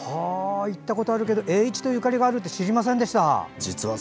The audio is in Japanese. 行ったことあるけど栄一とゆかりがあるとは知りませんでした。